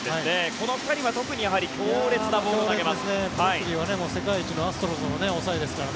この２人は特に強烈なボールを投げます。